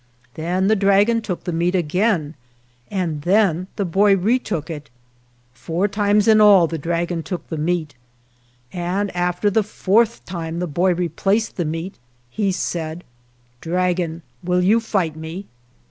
Then the dragon took the meat again, and then the boy retook it. Four times in all the dragon took the meat, and after the fourth time the boy replaced the meat he said, "Dragon, will you fight me?"